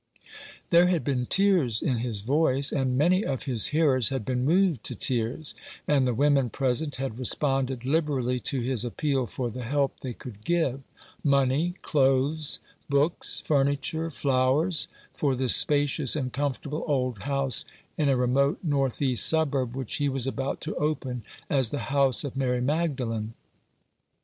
There had been tears in his voice, and many of his hearers had been moved to tears ; and the women present had responded liberally to his appeal for the help they could give — money, clothes, books, furniture, flowers, for the spacious and comfortable old house in a remote north east suburb which he was about to open as the House of Mary Magdalen.